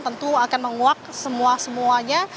tentu akan menguak semua semuanya